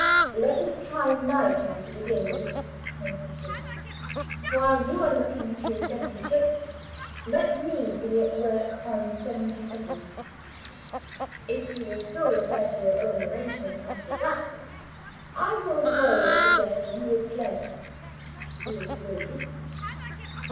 "Let us try my plan to begin with," he insisted. "While you are looking through 'seventy six, let me be at work on 'seventy seven. If you still prefer your own arrangement, after that, I will follow your suggestion with pleasure. Is it agreed?"